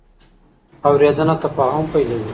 اورېدنه تفاهم پیلوي.